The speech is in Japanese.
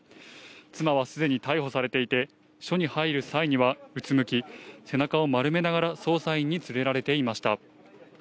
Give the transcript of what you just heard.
妻はすでに逮捕されていて、署に入る際にはうつむき、背中を丸めながら捜査員に連れられていました。